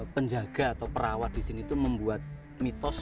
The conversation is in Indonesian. penjaga atau perawat disini itu membuat mitos